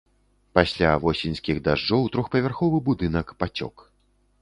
Пасля восеньскіх дажджоў трохпавярховы будынак пацёк.